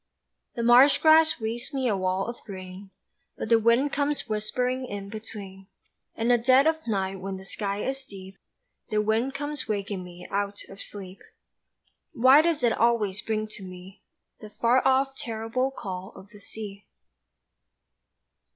The marsh grass weaves me a wall of green, But the wind comes whispering in between, In the dead of night when the sky is deep The wind comes waking me out of sleep Why does it always bring to me The far off, terrible call of the sea?